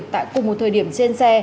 tại cùng một thời điểm trên xe